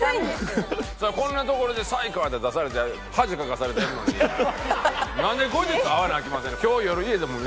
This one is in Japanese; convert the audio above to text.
そりゃあこんなところで「才川」って出されて恥かかされてるのになんで後日会わなあきませんの？